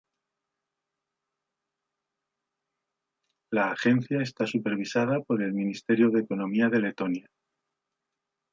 La agencia está supervisada por el Ministerio de Economía de Letonia.